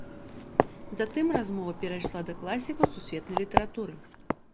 Затым размова перайшла да класікаў сусветнай літаратуры.